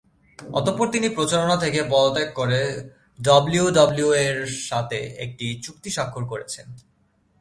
অতঃপর তিনি প্রচারণা থেকে পদত্যাগ করে ডাব্লিউডাব্লিউই-এর সাথে একটি চুক্তি স্বাক্ষর করেছেন।